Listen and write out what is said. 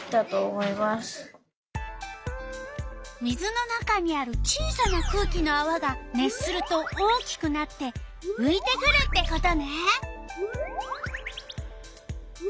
水の中にある小さな空気のあわが熱すると大きくなってういてくるってことね。